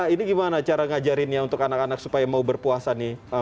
ini gimana cara ngajarinnya untuk anak anak supaya mau berpuasa nih